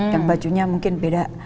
dan bajunya mungkin beda